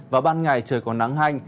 và ban ngày trời còn nắng hanh